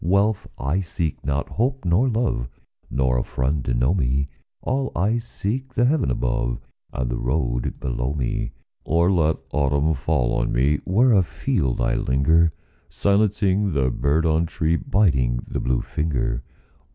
Wealth I seek not, hope nor love, Nor a friend to know me; All I seek, the heaven above And the road below me. Or let autumn fall on me Where afield I linger, Silencing the bird on tree, Biting the blue finger.